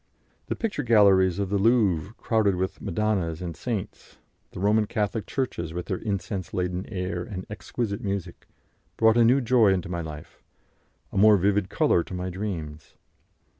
The picture galleries of the Louvre, crowded with Madonnas and saints, the Roman Catholic churches with their incense laden air and exquisite music, brought a new joy into my life, a more vivid colour to my dreams.